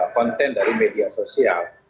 konten dari media sosial